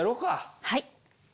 はい。